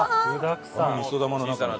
あのみそ玉の中に。